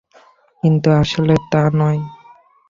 কিন্তু, আসলে তা নয়!